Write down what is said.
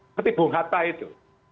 seperti bung hatta itu